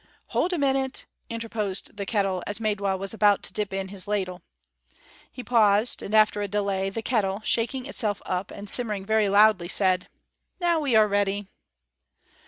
"Hold a minute," interposed the kettle, as Maidwa was about to dip in his ladle. He paused, and after a delay, the kettle, shaking itself up and simmering very loudly, said, "Now we are ready."